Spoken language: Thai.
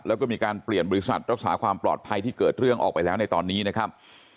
แล้วก็มีการเปลี่ยนบริษัทรักษาความปลอดภัยที่เกิดเรื่องออกไปแล้วในตอนนี้นะครับ